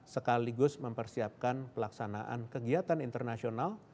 sekaligus mempersiapkan pelaksanaan kegiatan internasional